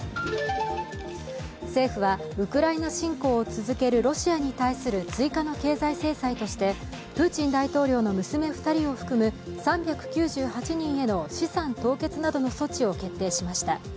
政府はウクライナ侵攻を続けるロシアに対する追加の経済制裁としてプーチン大統領の娘２人を含む３９８人への資産凍結などの措置を決定しました。